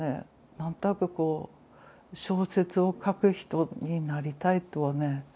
何となくこう小説を書く人になりたいとはね思ってて。